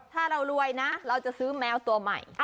ถ้าเรารวยนะเราจะซื้อแมวตัวใหม่